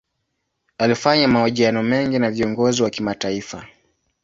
Alifanya mahojiano mengi na viongozi wa kimataifa.